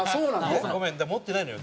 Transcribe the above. ごめん持ってないのよ